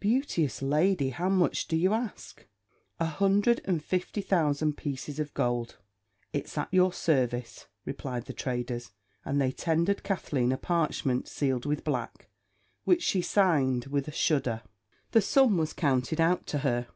"Beauteous lady, how much do you ask?" "A hundred and fifty thousand pieces of gold." "It's at your service," replied the traders, and they tendered Kathleen a parchment sealed with black, which she signed with a shudder. The sum was counted out to her.